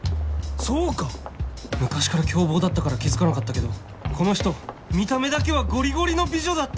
そうか昔から凶暴だったから気付かなかったけどこの人見た目だけはゴリゴリの美女だった！